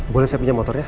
boleh saya pinjam motornya